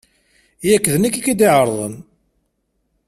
Yak d nekk i k-id-ɛerḍen.